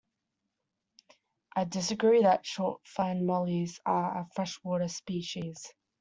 I disagree that short-finned mollies are a freshwater species.